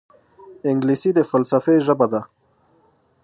انګلیسي د فلسفې ژبه ده